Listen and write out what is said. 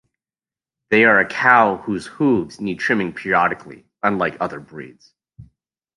They are a cow whose hooves need trimming periodically, unlike other breeds.